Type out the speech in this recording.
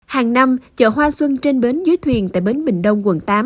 hàng năm chợ hoa xuân trên bến dưới thuyền tại bến bình đông quận tám